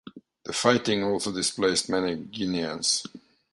The fighting also displaced many Guineans.